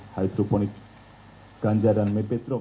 hydroponik ganja dan mepetrum